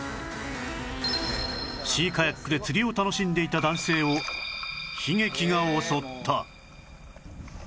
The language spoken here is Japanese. シーカヤックで釣りを楽しんでいた男性を悲劇が襲った